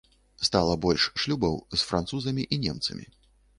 Стала больш шлюбаў з французамі і немцамі.